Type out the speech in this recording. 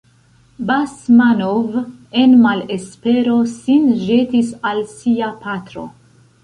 Basmanov en malespero sin ĵetis al sia patro.